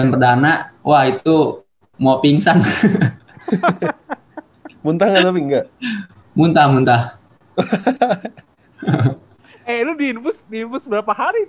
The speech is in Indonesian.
dan perdana wah itu mau pingsan hehehe muntah muntah eh ini di infus segera seberapa hari